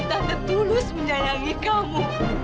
demi tuhan tante tulus menyayangi kamu